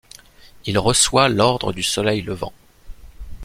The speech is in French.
Il reçoit l'ordre du Soleil Levant.